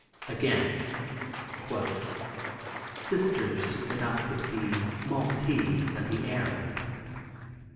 Again, "Sisters to sit up with the Maltese and the Arab."